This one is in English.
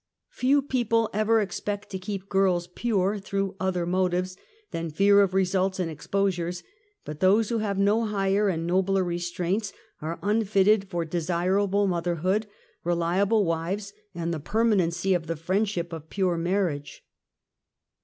Few people ever expect to keep girls pure through other motives than fear of results and exposures ; but those who have no higher and nobler restraints, are unfitted for desirable motherhood, reliable wives, and the per manency of the friendship of pure marriage.